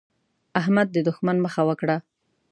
احمد د دوښمن مخه وکړه.